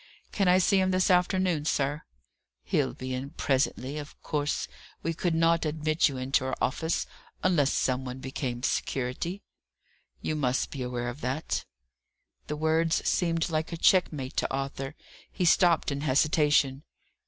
"Can I see him this afternoon, sir?" "He'll be in presently. Of course, we could not admit you into our office unless some one became security. You must be aware of that." The words seemed like a checkmate to Arthur. He stopped in hesitation.